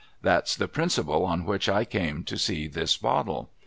That's the principle on which I came to see this bottle.